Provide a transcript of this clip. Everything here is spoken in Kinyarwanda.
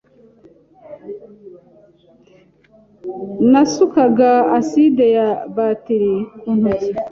nasukaga aside ya batiri ku ntoki.